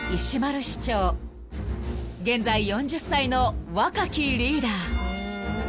［現在４０歳の若きリーダー］